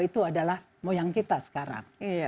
itu adalah moyang kita sekarang